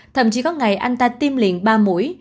thậm chí có ngày anh ta tiêm liền ba mũi